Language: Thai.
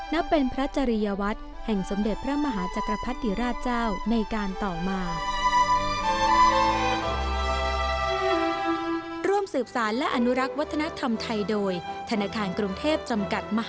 สำเด็จพระมหาจักรพติราชเจ้าในการต่อมา